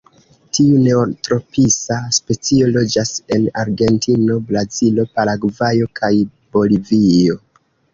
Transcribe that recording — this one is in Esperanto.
Tiu neotropisa specio loĝas en Argentino, Brazilo, Paragvajo kaj Bolivio.